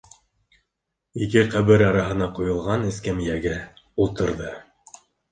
Ике ҡәбер араһына ҡуйылған эскәмйәгә ултырҙы.